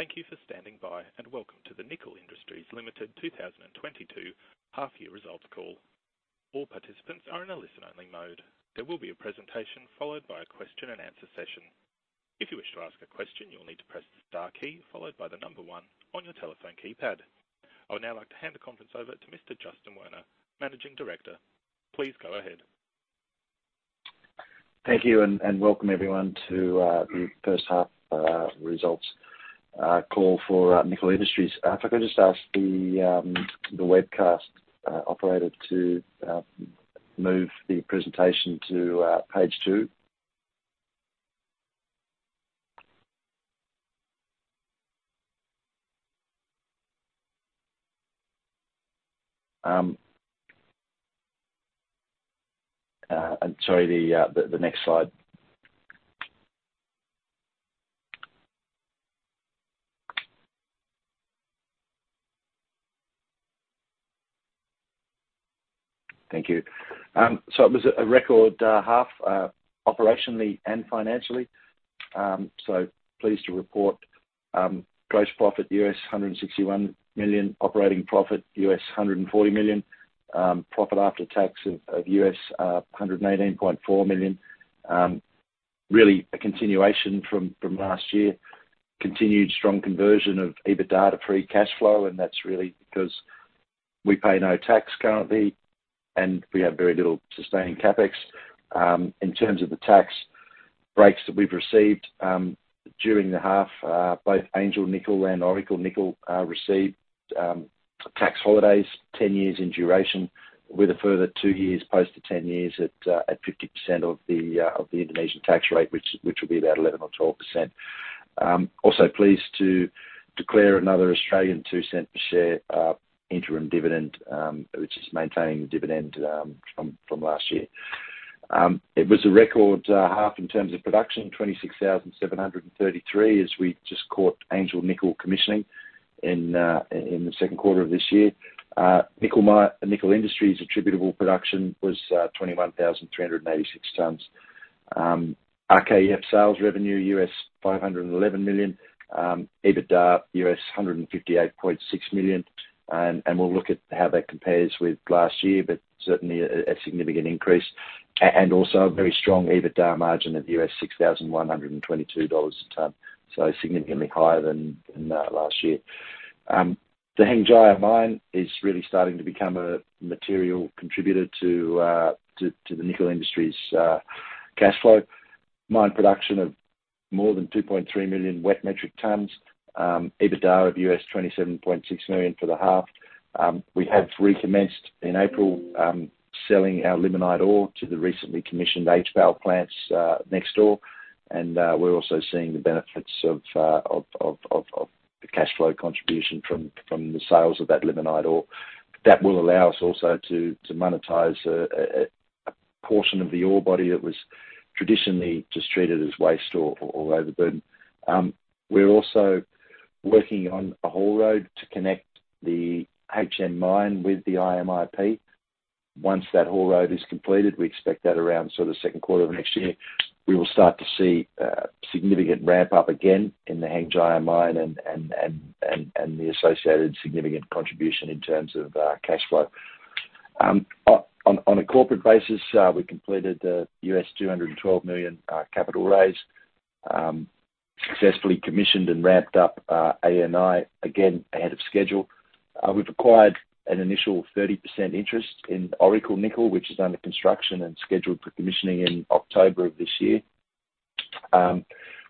Thank you for standing by, and welcome to the Nickel Industries Limited 2022 half year results call. All participants are in a listen-only mode. There will be a presentation followed by a question and answer session. If you wish to ask a question, you will need to press the star key followed by the number one on your telephone keypad. I would now like to hand the conference over to Mr. Justin Werner, Managing Director. Please go ahead. Thank you, welcome everyone to the first half results call for Nickel Industries. If I could just ask the webcast operator to move the presentation to page two. I'm sorry, the next slide. Thank you. It was a record half operationally and financially. Pleased to report gross profit $161 million, operating profit $140 million, profit after tax of $118.4 million. Really a continuation from last year. Continued strong conversion of EBITDA to free cash flow, and that's really because we pay no tax currently, and we have very little sustaining CapEx. In terms of the tax breaks that we've received during the half, both Angel Nickel and Oracle Nickel received tax holidays 10 years in duration, with a further two years post the 10 years at 50% of the Indonesian tax rate, which will be about 11% or 12%. Also pleased to declare another 0.02 per share interim dividend, which is maintaining the dividend from last year. It was a record half in terms of production, 26,733 as we just caught Angel Nickel commissioning in the Q2 of this year. Nickel Industries attributable production was 21,386 tons. RKEF sales revenue $511 million, EBITDA $158.6 million. We'll look at how that compares with last year, but certainly a significant increase. Also a very strong EBITDA margin at $6,122 a ton, so significantly higher than last year. The Hengjaya Mine is really starting to become a material contributor to the Nickel Industries' cash flow. Mine production of more than 2.3 million wet metric tons. EBITDA of $27.6 million for the half. We have recommenced in April selling our limonite ore to the recently commissioned HPAL plants next door. We're also seeing the benefits of the cash flow contribution from the sales of that limonite ore. That will allow us also to monetize a portion of the ore body that was traditionally just treated as waste or overburden. We're also working on a haul road to connect the HN mine with the IMIP. Once that haul road is completed, we expect that around sort of Q2 of next year, we will start to see significant ramp up again in the Hengjaya mine and the associated significant contribution in terms of cash flow. On a corporate basis, we completed the $212 million capital raise. Successfully commissioned and ramped up ANI again ahead of schedule. We've acquired an initial 30% interest in Oracle Nickel, which is under construction and scheduled for commissioning in October of this year.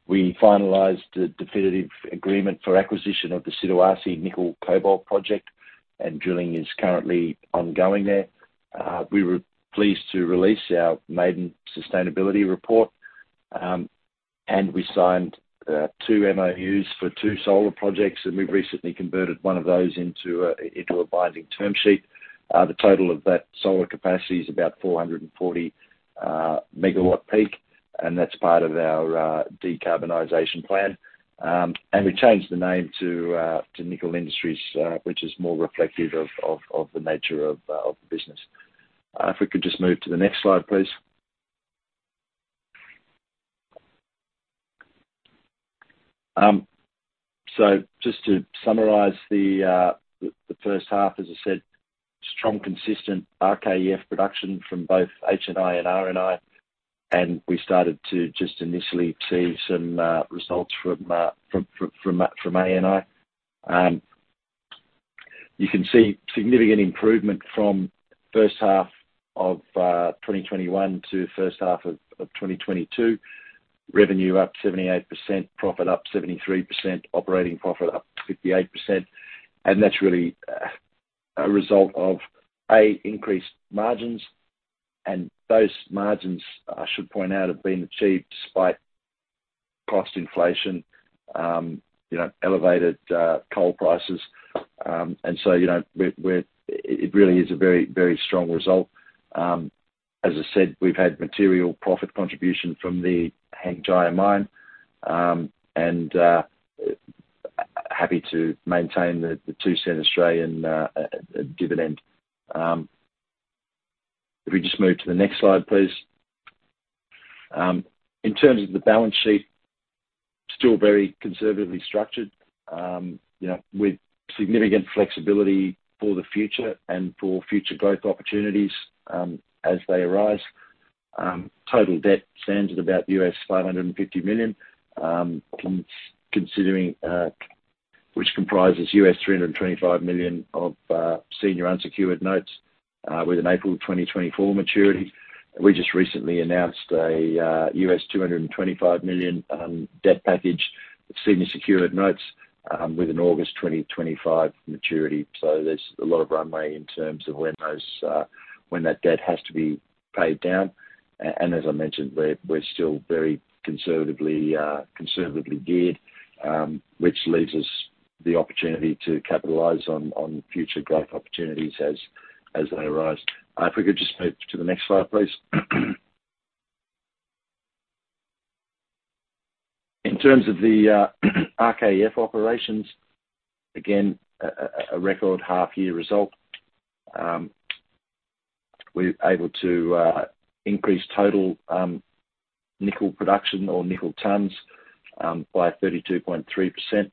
We finalized a definitive agreement for acquisition of the Siduarsi Nickel-Cobalt Project, and drilling is currently ongoing there. We were pleased to release our maiden sustainability report, and we signed two MOUs for two solar projects, and we've recently converted one of those into a binding term sheet. The total of that solar capacity is about 440 megawatt peak, and that's part of our decarbonization plan. We changed the name to Nickel Industries, which is more reflective of the nature of the business. If we could just move to the next slide, please. Just to summarize the first half, as I said, strong, consistent RKEF production from both HNI and RNI, and we started to just initially see some results from ANI. You can see significant improvement from first half of 2021 to first half of 2022. Revenue up 78%, profit up 73%, operating profit up 58%. That's really a result of increased margins. Those margins, I should point out, have been achieved despite cost inflation, you know, elevated coal prices. You know, it really is a very strong result. As I said, we've had material profit contribution from the Hengjaya Mine and happy to maintain the 0.02 dividend. If we just move to the next slide, please. In terms of the balance sheet, still very conservatively structured, you know, with significant flexibility for the future and for future growth opportunities, as they arise. Total debt stands at about $500 million, comprising $325 million of senior unsecured notes with an April 2024 maturity. We just recently announced a $225 million debt package of senior secured notes with an August 2025 maturity. There's a lot of runway in terms of when that debt has to be paid down. As I mentioned, we're still very conservatively geared, which leaves us the opportunity to capitalize on future growth opportunities as they arise. If we could just move to the next slide, please. In terms of the RKEF operations, again, a record half-year result. We're able to increase total nickel production or nickel tons by 32.3%.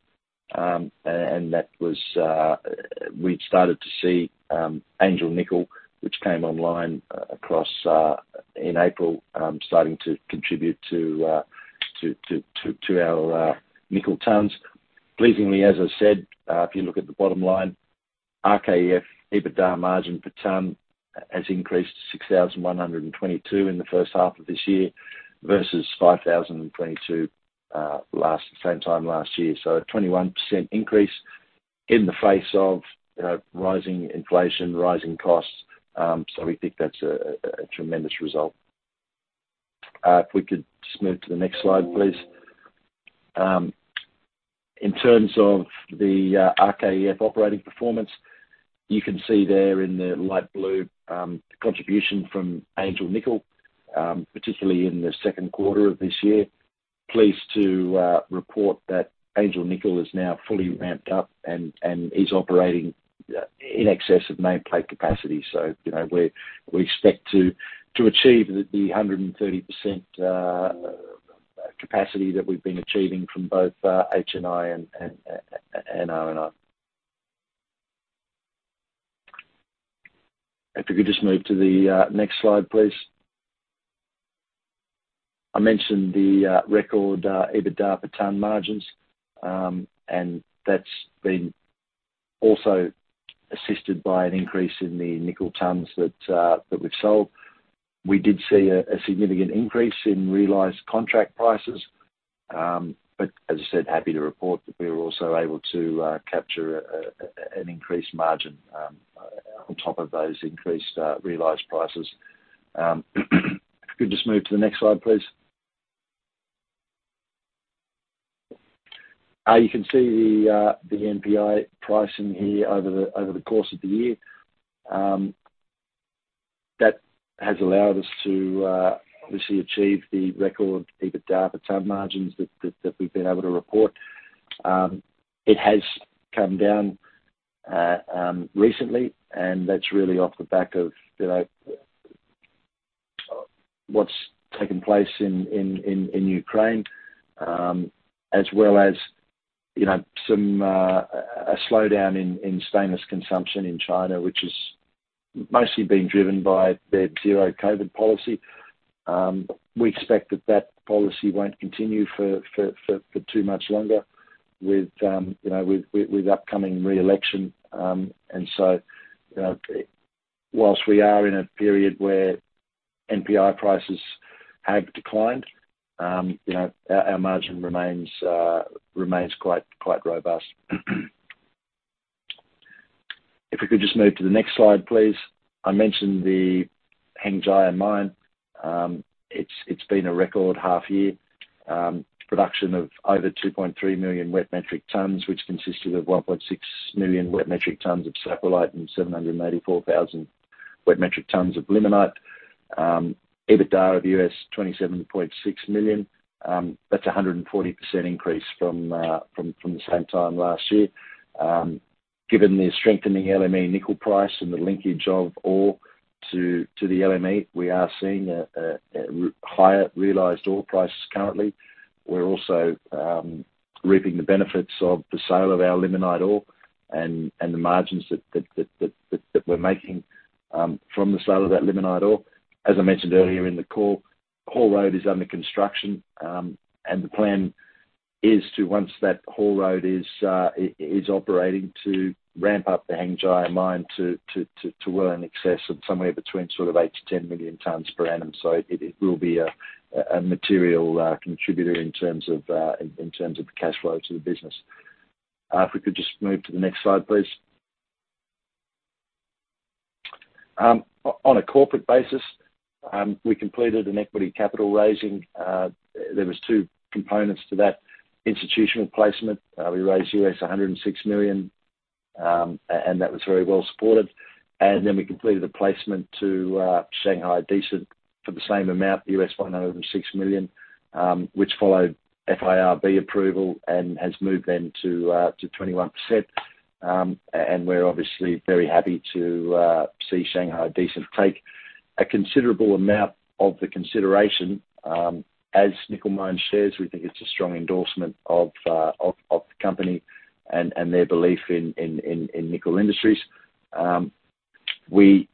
We started to see Angel Nickel, which came online in April, starting to contribute to our nickel tons. Pleasingly, as I said, if you look at the bottom line, RKEF EBITDA margin per ton has increased to $6,122 in the first half of this year versus $5,022 the same time last year. A 21% increase in the face of rising inflation, rising costs. We think that's a tremendous result. If we could just move to the next slide, please. In terms of the RKEF operating performance, you can see there in the light blue the contribution from Angel Nickel, particularly in the Q2 of this year. Pleased to report that Angel Nickel is now fully ramped up and is operating in excess of nameplate capacity. You know, we expect to achieve the 130% capacity that we've been achieving from both HNI and RNI. If you could just move to the next slide, please. I mentioned the record EBITDA per ton margins, and that's been also assisted by an increase in the nickel tons that we've sold. We did see a significant increase in realized contract prices. As I said, happy to report that we were also able to capture an increased margin on top of those increased realized prices. If you could just move to the next slide, please. You can see the NPI pricing here over the course of the year. That has allowed us to obviously achieve the record EBITDA per ton margins that we've been able to report. It has come down recently, and that's really off the back of, you know, what's taken place in Ukraine, as well as, you know, some a slowdown in stainless consumption in China, which is mostly being driven by their zero COVID policy. We expect that policy won't continue for too much longer with, you know, with upcoming re-election. You know, while we are in a period where NPI prices have declined, you know, our margin remains quite robust. If we could just move to the next slide, please. I mentioned the Hengjaya Mine. It's been a record half year. Production of over 2.3 million wet metric tons, which consisted of 1.6 million wet metric tons of saprolite and 784,000 wet metric tons of limonite. EBITDA of $27.6 million. That's a 140% increase from the same time last year. Given the strengthening LME nickel price and the linkage of ore to the LME, we are seeing higher realized ore prices currently. We're also reaping the benefits of the sale of our limonite ore and the margins that we're making from the sale of that limonite ore. As I mentioned earlier in the call, haul road is under construction, and the plan is to, once that haul road is operating, ramp up the Hengjaya Mine to well in excess of somewhere between sort of 8-10 million tons per annum. It will be a material contributor in terms of the cash flow to the business. If we could just move to the next slide, please. On a corporate basis, we completed an equity capital raising. There was two components to that. Institutional placement, we raised $106 million, and that was very well supported. Then we completed a placement to Shanghai Decent for the same amount, $506 million, which followed FIRB approval and has moved then to 21%. We're obviously very happy to see Shanghai Decent take a considerable amount of the consideration as Nickel Industries shares. We think it's a strong endorsement of the company and their belief in Nickel Industries. We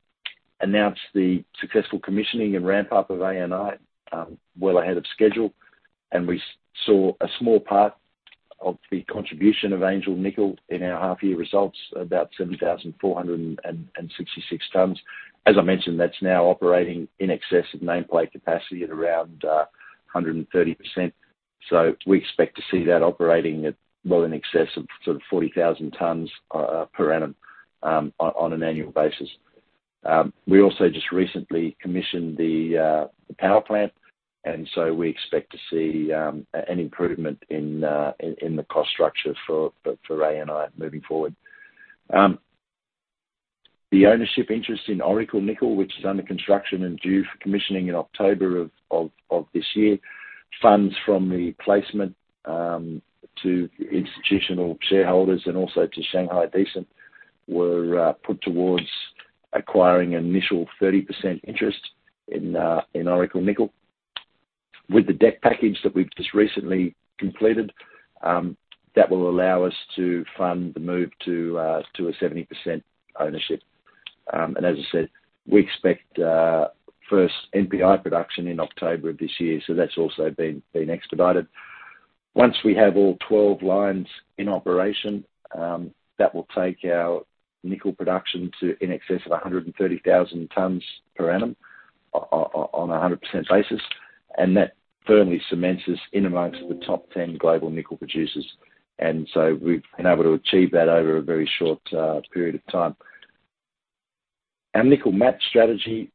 announced the successful commissioning and ramp up of ANI well ahead of schedule, and we saw a small part of the contribution of Angel Nickel in our half-year results, about 7,466 tons. As I mentioned, that's now operating in excess of nameplate capacity at around 130%. We expect to see that operating at well in excess of sort of 40,000 tons per annum on an annual basis. We also just recently commissioned the power plant, and so we expect to see an improvement in the cost structure for ANI moving forward. The ownership interest in Oracle Nickel, which is under construction and due for commissioning in October of this year. Funds from the placement to institutional shareholders and also to Shanghai Decent were put towards acquiring an initial 30% interest in Oracle Nickel. With the debt package that we've just recently completed, that will allow us to fund the move to a 70% ownership. As I said, we expect first NPI production in October of this year, so that's also been expedited. Once we have all 12 lines in operation, that will take our nickel production to in excess of 130,000 tons per annum on a 100% basis. That firmly cements us in amongst the top 10 global nickel producers. We've been able to achieve that over a very short period of time. Our nickel matte strategy,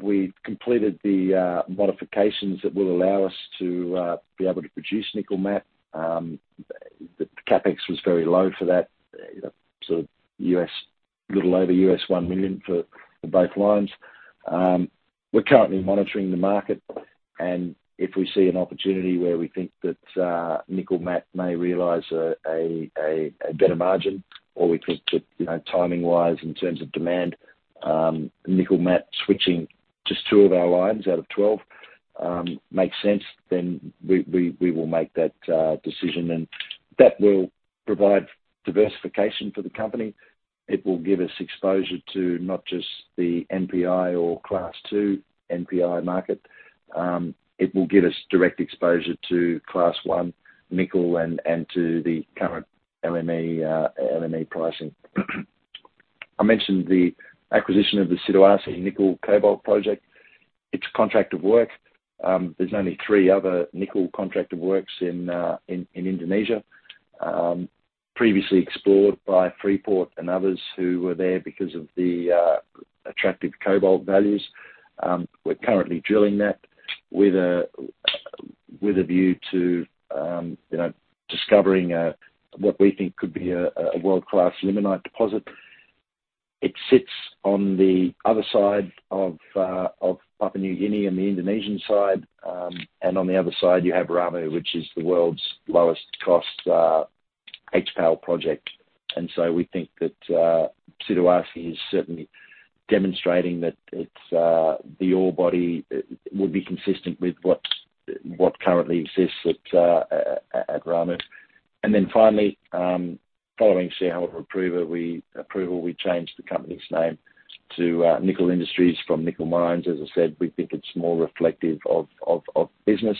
we completed the modifications that will allow us to be able to produce nickel matte. The CapEx was very low for that, you know, sort of a little over $1 million for both lines. We're currently monitoring the market and if we see an opportunity where we think that nickel matte may realize a better margin or we think that, you know, timing wise in terms of demand, nickel matte switching just two of our lines out of 12 makes sense, then we will make that decision and that will provide diversification for the company. It will give us exposure to not just the NPI or class two NPI market. It will give us direct exposure to class one nickel and to the current LME pricing. I mentioned the acquisition of the Siduarsi Nickel-Cobalt Project. It's a Contract of Work. There are only three other nickel Contracts of Work in Indonesia, previously explored by Freeport-McMoRan and others who were there because of the attractive cobalt values. We're currently drilling that with a view to, you know, discovering what we think could be a world-class limonite deposit. It sits on the other side of Papua New Guinea and the Indonesian side. On the other side, you have Ramu, which is the world's lowest cost HPAL project. We think that Siduarsi is certainly demonstrating that it's the ore body would be consistent with what currently exists at Ramu. Following shareholder approval, we changed the company's name to Nickel Industries from Nickel Mines. As I said, we think it's more reflective of business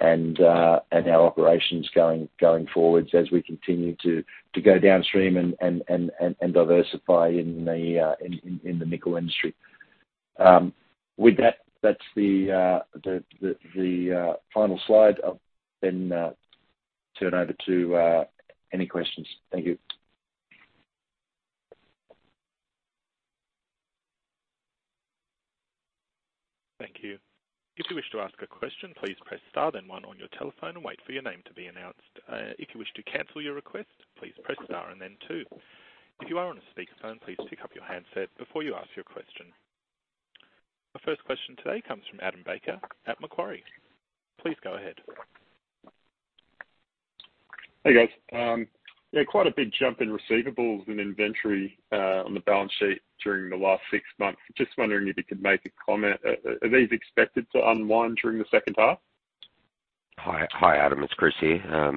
and our operations going forwards as we continue to go downstream and diversify in the nickel industry. With that's the final slide. I'll then turn over to any questions. Thank you. Thank you. If you wish to ask a question, please press star then one on your telephone and wait for your name to be announced. If you wish to cancel your request, please press star and then two. If you are on a speakerphone, please pick up your handset before you ask your question. The first question today comes from Adam Baker at Macquarie. Please go ahead. Hey, guys. Yeah, quite a big jump in receivables and inventory on the balance sheet during the last six months. Just wondering if you could make a comment. Are these expected to unwind during the second half? Hi, Adam, it's Chris here.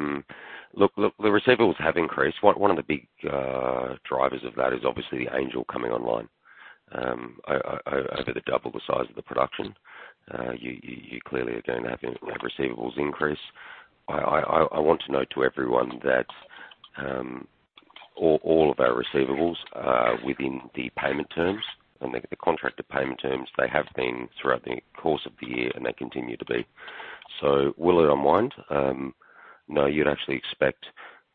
Look, the receivables have increased. One of the big drivers of that is obviously Angel coming online. Over double the size of the production, you clearly are gonna have receivables increase. I want to note to everyone that all of our receivables are within the payment terms and the contracted payment terms. They have been throughout the course of the year, and they continue to be. Will it unwind? No, you'd actually expect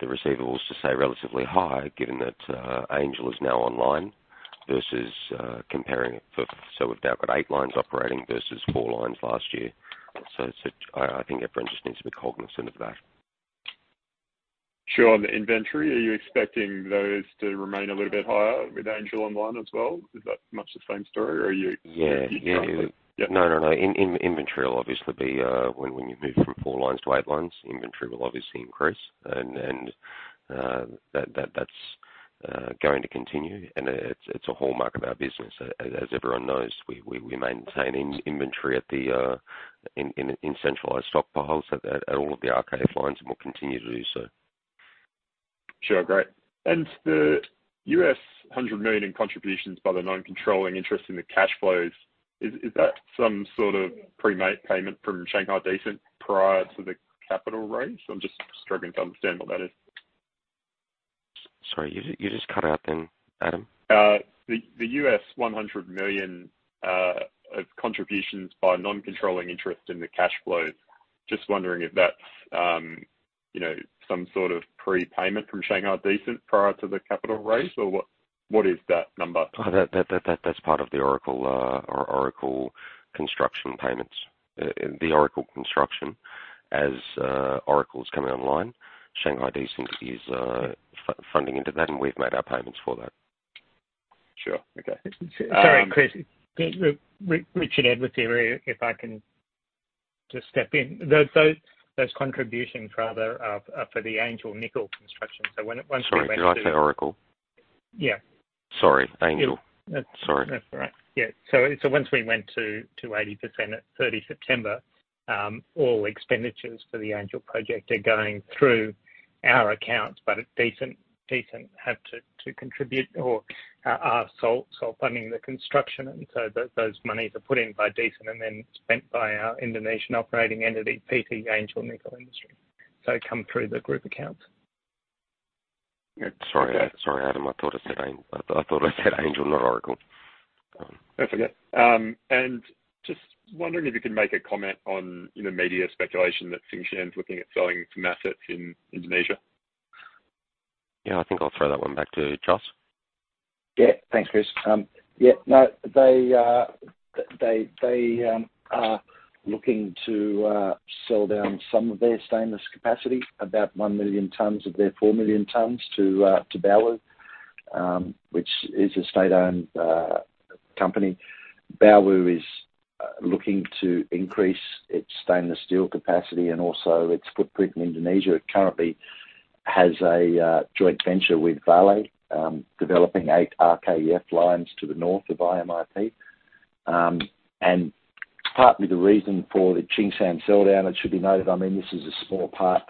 the receivables to stay relatively high given that Angel is now online versus comparing it for. We've now got eight lines operating versus four lines last year. I think everyone just needs to be cognizant of that. Sure. On the inventory, are you expecting those to remain a little bit higher with Angel online as well? Is that much the same story, or are you- Yeah. Yeah. Yeah. No, no. In inventory will obviously be when you move from four lines to eight lines, inventory will obviously increase. That's going to continue, and it's a hallmark of our business. As everyone knows, we maintain inventory in centralized stockpiles at all of the RKEF lines and will continue to do so. Sure. Great. The $100 million in contributions by the non-controlling interest in the cash flows, is that some sort of pre-made payment from Shanghai Decent prior to the capital raise? I'm just struggling to understand what that is. Sorry, you just cut out then, Adam. The $100 million of contributions by non-controlling interest in the cash flows, just wondering if that's, you know, some sort of prepayment from Shanghai Decent prior to the capital raise, or what is that number? That's part of the Oracle, our Oracle construction payments. The Oracle construction, as Oracle's coming online. Shanghai Decent is funding into that, and we've made our payments for that. Sure. Okay. Um- Sorry, Chris. Richard Edwards here, if I can just step in. Those contributions rather are for the Angel Nickel construction. Sorry. Did I say Oracle? Yeah. Sorry. Angel. Yeah. Sorry. That's all right. Yeah. So once we went to 80% at 30 September, all expenditures for the Angel project are going through our accounts, but Decent had to contribute or are solely funding the construction. Those monies are put in by Decent and then spent by our Indonesian operating entity, PT Angel Nickel Industry. So it comes through the group accounts. Sorry. Sorry, Adam. I thought I said Angel, not Oracle. That's okay. Just wondering if you can make a comment on, you know, media speculation that Tsingshan's looking at selling some assets in Indonesia? Yeah, I think I'll throw that one back to Jos. Yeah. Thanks, Chris. Yeah, no, they are looking to sell down some of their stainless capacity, about 1 million tons of their 4 million tons to Baowu, which is a state-owned company. Baowu is looking to increase its stainless steel capacity and also its footprint in Indonesia. It currently has a joint venture with Vale developing eight RKEF lines to the north of IMIP. Partly the reason for the Tsingshan sell down, it should be noted, I mean, this is a small part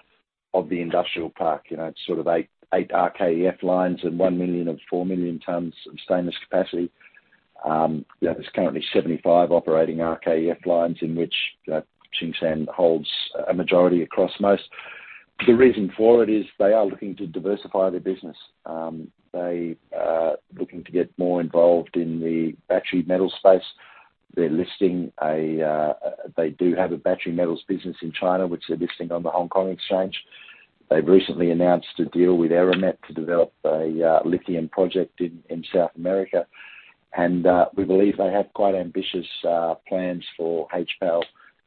of the industrial park. You know, it's sort of eight RKEF lines and 1 million of $4 million tons of stainless capacity. You know, there's currently 75 operating RKEF lines in which Tsingshan holds a majority across most. The reason for it is they are looking to diversify their business. They are looking to get more involved in the battery metals space. They do have a battery metals business in China, which they're listing on the Hong Kong Exchanges and Clearing. They've recently announced a deal with Eramet to develop a lithium project in South America. We believe they have quite ambitious plans for HPAL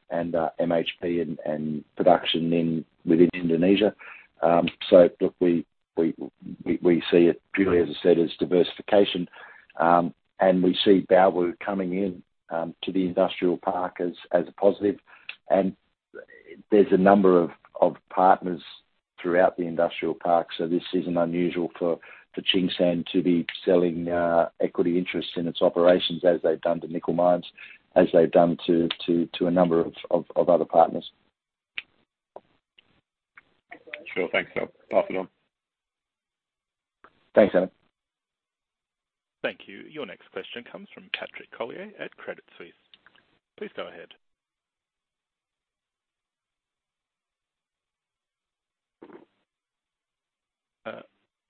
and MHP and production within Indonesia. Look, we see it purely, as I said, as diversification. We see Baowu coming in to the industrial park as a positive. There's a number of partners throughout the industrial park. This isn't unusual for Tsingshan to be selling equity interests in its operations as they've done to Nickel Mines, as they've done to a number of other partners. Sure. Thanks. I'll pass it on. Thanks, Adam. Thank you. Your next question comes from Patrick Collier at Credit Suisse. Please go ahead.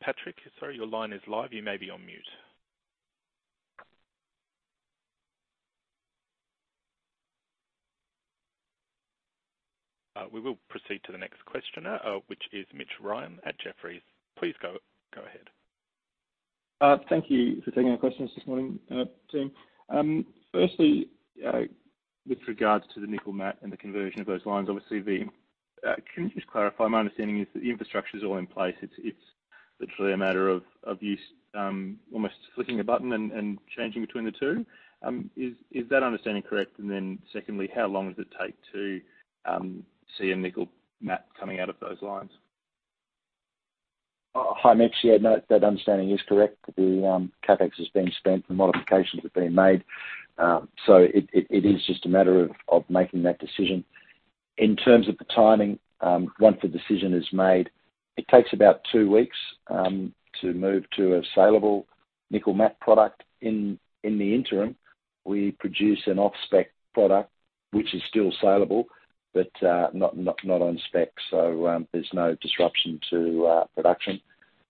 Patrick, sorry, your line is live. You may be on mute. We will proceed to the next questioner, which is Mitch Ryan at Jefferies. Please go ahead. Thank you for taking our questions this morning, team. Firstly, with regards to the nickel matte and the conversion of those lines, obviously, can you just clarify? My understanding is the infrastructure is all in place. It's literally a matter of you almost flicking a button and changing between the two. Is that understanding correct? Secondly, how long does it take to see a nickel matte coming out of those lines? Hi, Mitch. Yeah, no, that understanding is correct. The CapEx has been spent and modifications have been made. It is just a matter of making that decision. In terms of the timing, once the decision is made, it takes about two weeks to move to a salable nickel matte product. In the interim, we produce an off-spec product, which is still salable, but not on spec. There's no disruption to production.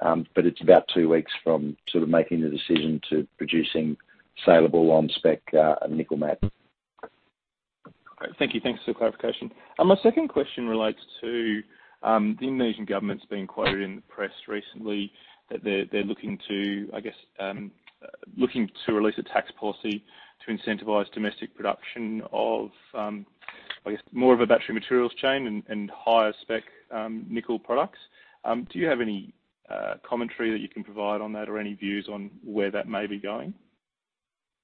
It's about two weeks from sort of making the decision to producing salable on-spec nickel matte. Great. Thank you. Thanks for the clarification. My second question relates to the Indonesian government's been quoted in the press recently that they're looking to, I guess, looking to release a tax policy to incentivize domestic production of, I guess, more of a battery materials chain and higher spec nickel products. Do you have any commentary that you can provide on that or any views on where that may be going?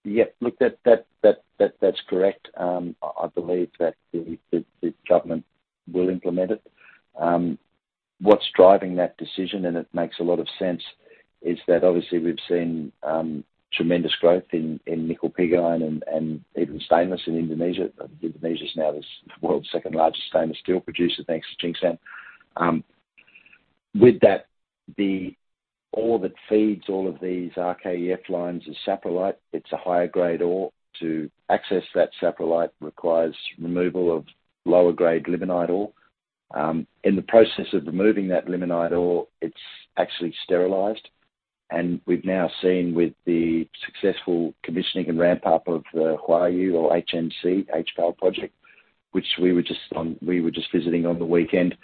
Yeah, look, that's correct. I believe that the government will implement it. What's driving that decision, and it makes a lot of sense, is that obviously we've seen tremendous growth in nickel pig iron and even stainless in Indonesia. Indonesia is now the world's second largest stainless steel producer, thanks to Tsingshan. With that, the ore that feeds all of these RKEF lines is saprolite. It's a higher grade ore. To access that saprolite requires removal of lower grade limonite ore. In the process of removing that limonite ore, it's actually sterilized. We've now seen with the successful commissioning and ramp up of the Huayou or HNC HPAL project, which we were just visiting on the weekend.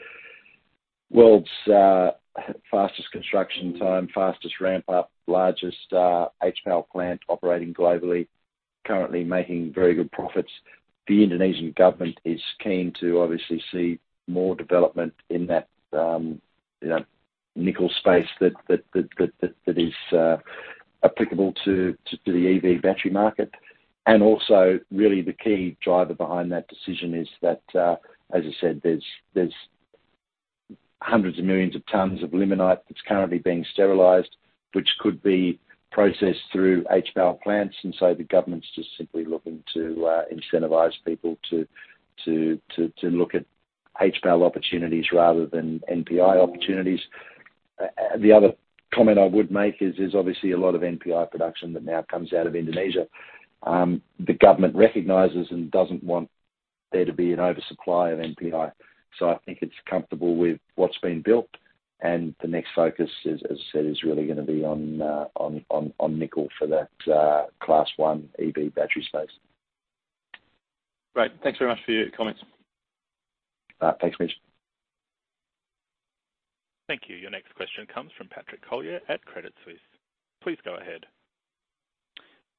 World's fastest construction time, fastest ramp up, largest HPAL plant operating globally, currently making very good profits. The Indonesian government is keen to obviously see more development in that, you know, nickel space that is applicable to the EV battery market. Also really the key driver behind that decision is that, as I said, there's hundreds of millions of tons of limonite that's currently being sterilized, which could be processed through HPAL plants. So the government's just simply looking to incentivize people to look at HPAL opportunities rather than NPI opportunities. The other comment I would make is there's obviously a lot of NPI production that now comes out of Indonesia. The government recognizes and doesn't want there to be an oversupply of NPI. I think it's comfortable with what's been built and the next focus is, as I said, really gonna be on nickel for that class one EV battery space. Great. Thanks very much for your comments. Thanks, Mitch. Thank you. Your next question comes from Patrick Collier at Credit Suisse. Please go ahead.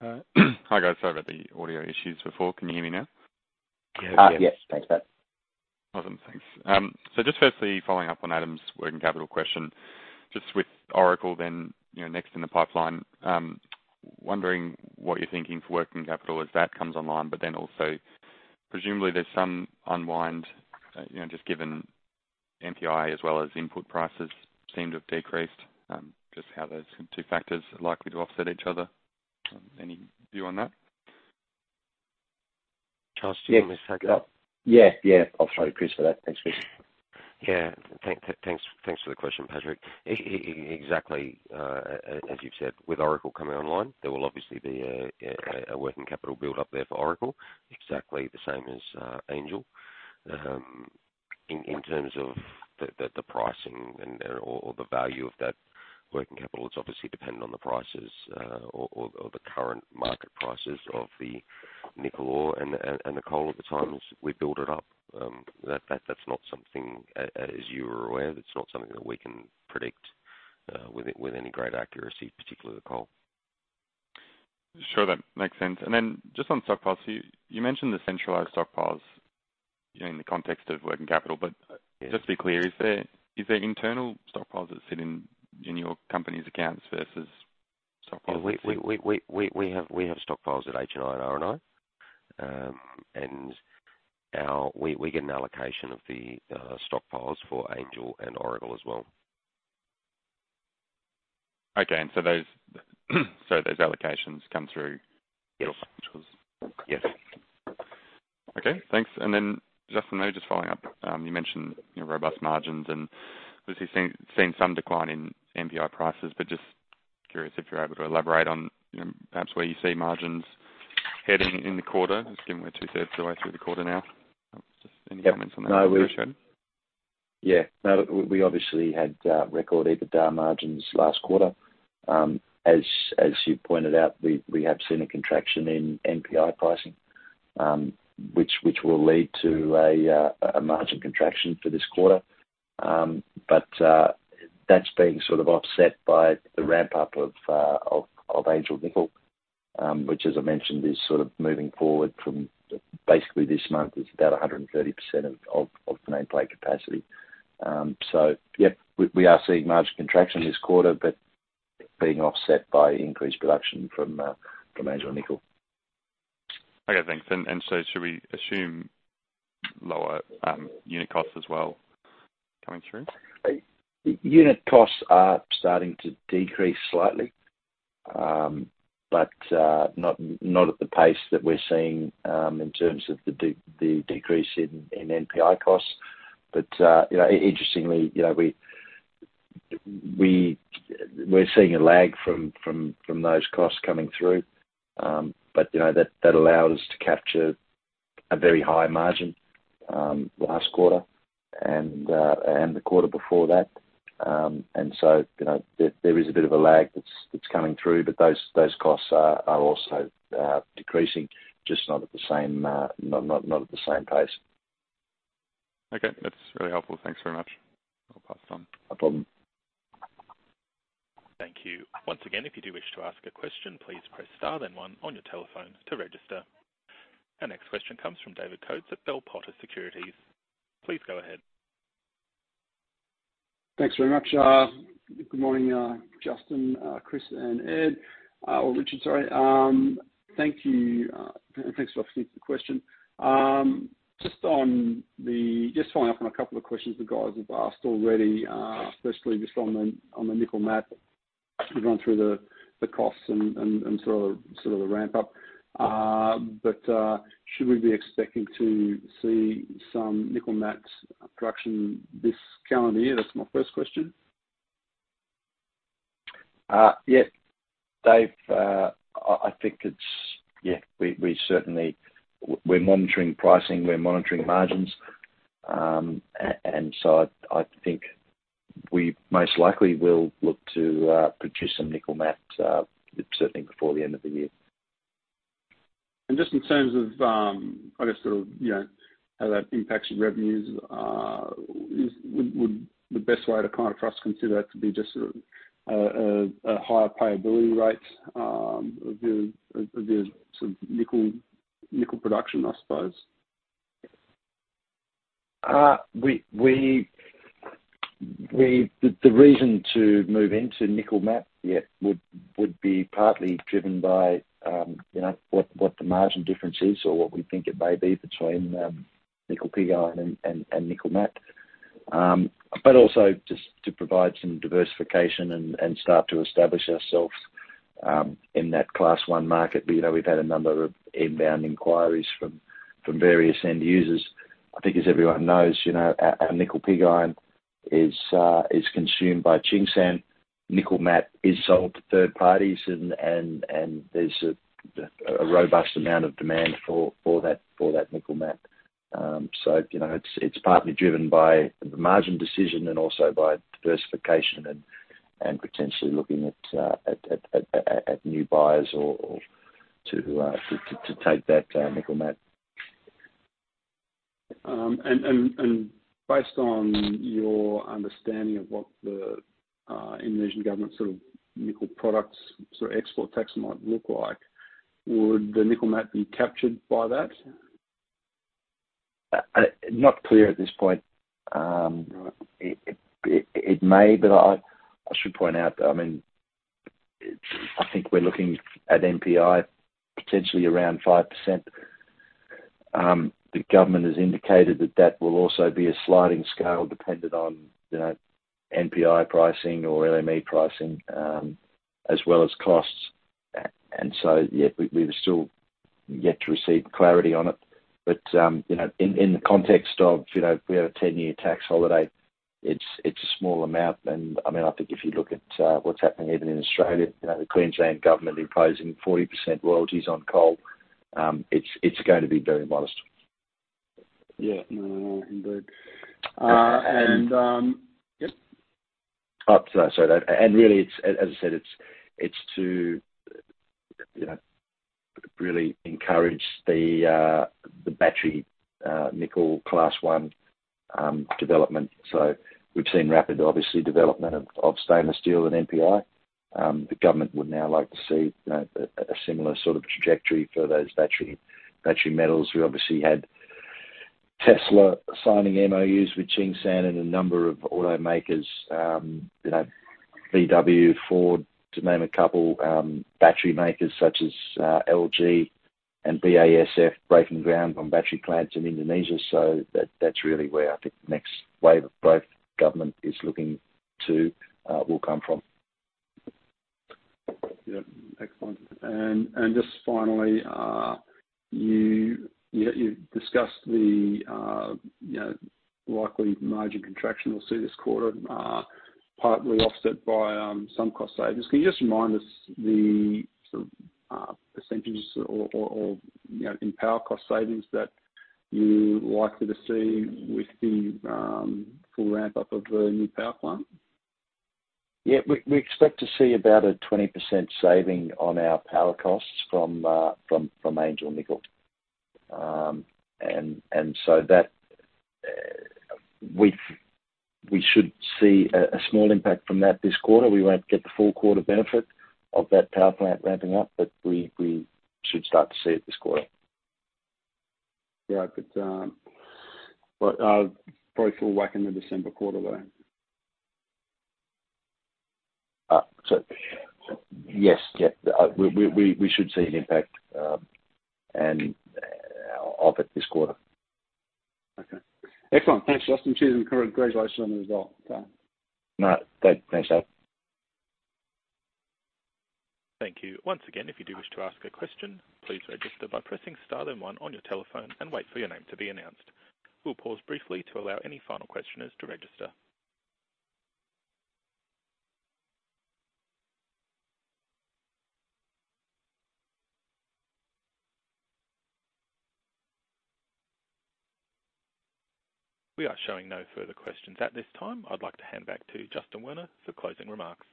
Hi, guys. Sorry about the audio issues before. Can you hear me now? Yes. Thanks, Pat. Awesome. Thanks. Just firstly, following up on Adam's working capital question, just with Oracle then, you know, next in the pipeline, wondering what you're thinking for working capital as that comes online, but then also presumably there's some unwind, you know, just given NPI as well as input prices seem to have decreased, just how those two factors are likely to offset each other. Any view on that? Chris, do you want me to take it up? Yeah. I'll show Chris for that. Thanks, Chris. Thanks for the question, Patrick. Exactly, as you've said, with Oracle coming online, there will obviously be a working capital build up there for Oracle, exactly the same as Angel. In terms of the pricing and/or the value of that working capital, it's obviously dependent on the prices or the current market prices of the nickel ore and the coal at the time we build it up. That's not something as you are aware, that's not something that we can predict with any great accuracy, particularly the coal. Sure. That makes sense. Just on stockpiles, you mentioned the centralized stockpiles, you know, in the context of working capital. But. Yeah. Just to be clear, is there internal stockpiles that sit in your company's accounts versus stockpiles? We have stockpiles at HNI and RNI. We get an allocation of the stockpiles for Angel and Oracle as well. Okay. Those allocations come through. Yes. which was Yes. Okay. Thanks. Justin, just following up, you mentioned, you know, robust margins and obviously seen some decline in NPI prices, but just curious if you're able to elaborate on, you know, perhaps where you see margins heading in the quarter, just given we're two-thirds of the way through the quarter now. Just any comments on that would be appreciated. Yeah. No, we obviously had record EBITDA margins last quarter. As you pointed out, we have seen a contraction in NPI pricing, which will lead to a margin contraction for this quarter. That's being sort of offset by the ramp up of Angel Nickel, which as I mentioned is sort of moving forward from basically this month is about 130% of the nameplate capacity. Yeah, we are seeing margin contraction this quarter, but being offset by increased production from Angel Nickel. Okay, thanks. Should we assume lower unit costs as well coming through? Unit costs are starting to decrease slightly, but not at the pace that we're seeing in terms of the decrease in NPI costs. Interestingly, you know, we're seeing a lag from those costs coming through. You know, that allowed us to capture a very high margin last quarter and the quarter before that. You know, there is a bit of a lag that's coming through, but those costs are also decreasing just not at the same pace. Okay. That's really helpful. Thanks very much. I'll pass it on. No problem. Thank you. Once again, if you do wish to ask a question, please press star then one on your telephones to register. Our next question comes from David Coates at Bell Potter Securities. Please go ahead. Thanks very much. Good morning, Justin, Chris, and Richard. Thank you, and thanks for answering the question. Just following up on a couple of questions you guys have asked already, especially just on the nickel matte. You've gone through the costs and sort of the ramp up. Should we be expecting to see some nickel matte production this calendar year? That's my first question. Yeah, David. I think we certainly are monitoring pricing, we're monitoring margins. I think we most likely will look to produce some nickel matte certainly before the end of the year. Just in terms of, I guess sort of, you know, how that impacts your revenues, would the best way to kind of for us consider that to be just, sort of, a higher payability rate, of your sort of nickel production, I suppose? The reason to move into nickel matte, yeah, would be partly driven by you know what the margin difference is or what we think it may be between nickel pig iron and nickel matte. Also just to provide some diversification and start to establish ourselves in that class one market. You know, we've had a number of inbound inquiries from various end users. I think as everyone knows, you know, our nickel pig iron is consumed by Tsingshan. Nickel matte is sold to third parties and there's a robust amount of demand for that nickel matte. You know, it's partly driven by the margin decision and also by diversification and potentially looking at new buyers or to take that nickel matte. Based on your understanding of what the Indonesian government sort of nickel products sort of export tax might look like, would the nickel matte be captured by that? Not clear at this point. It may, but I should point out, I mean, it's. I think we're looking at NPI potentially around 5%. The government has indicated that that will also be a sliding scale dependent on, you know, NPI pricing or LME pricing, as well as costs. Yeah, we were still yet to receive clarity on it. You know, in the context of, you know, we have a 10-year tax holiday, it's a small amount and, I mean, I think if you look at what's happening even in Australia, you know, the Queensland government imposing 40% royalties on coal, it's going to be very modest. Yeah. No, no, indeed. Yep. Sorry. Really it's, as I said, it's to, you know, really encourage the battery nickel class one development. We've seen rapid, obviously, development of stainless steel and NPI. The government would now like to see a similar sort of trajectory for those battery metals. We obviously had Tesla signing MOUs with Tsingshan and a number of automakers, you know, VW, Ford, to name a couple. Battery makers such as LG and BASF breaking ground on battery plants in Indonesia. That's really where I think the next wave of growth government is looking to will come from. Yeah. Excellent. Just finally, you discussed the you know, likely margin contraction we'll see this quarter, partly offset by some cost savings. Can you just remind us the sort of percentages or you know, in power cost savings that you're likely to see with the full ramp up of the new power plant? Yeah. We expect to see about a 20% saving on our power costs from Angel Nickel. We should see a small impact from that this quarter. We won't get the full quarter benefit of that power plant ramping up, but we should start to see it this quarter. Yeah. Probably full whack in the December quarter, though. Yes. We should see an impact and of it this quarter. Okay. Excellent. Thanks, Justin. Cheers, and congratulations on the result. No, Dave. Thanks, Dave. Thank you. Once again, if you do wish to ask a question, please register by pressing star then one on your telephone and wait for your name to be announced. We'll pause briefly to allow any final questioners to register. We are showing no further questions at this time. I'd like to hand back to Justin Werner for closing remarks.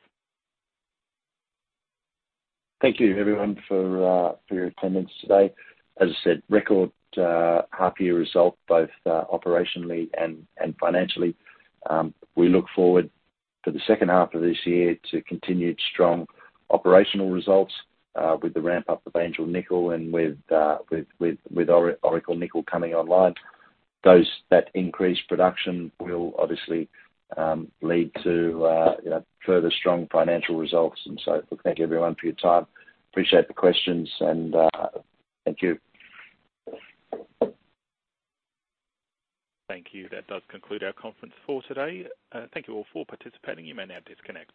Thank you, everyone, for your attendance today. As I said, record half year result, both operationally and financially. We look forward to the second half of this year to continued strong operational results, with the ramp up of Angel Nickel and with Oracle Nickel coming online. That increased production will obviously lead to, you know, further strong financial results. Thank you everyone for your time. Appreciate the questions, and thank you. Thank you. That does conclude our conference for today. Thank you all for participating. You may now disconnect.